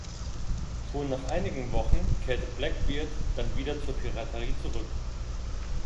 Schon nach einigen Wochen kehrte Blackbeard dann wieder zur Piraterie zurück.